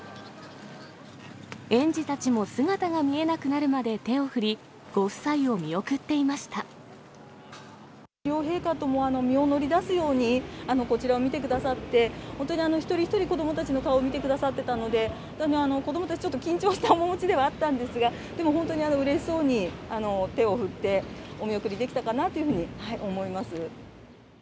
園児たちも姿が見えなくなるまで手を振り、ご夫妻を見送っていま両陛下とも身を乗り出すように、こちらを見てくださって、本当に一人一人子どもたちの顔を見てくださってたので、本当に子どもたち、ちょっと緊張した面持ちではあったんですが、でも本当にうれしそうに手を振って、お見送りできたかなというふうに思います。